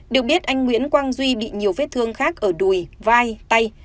được biết anh nguyễn quang duy bị nhiều vết thương khác ở đùi vai tay